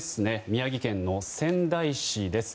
宮城県の仙台市です。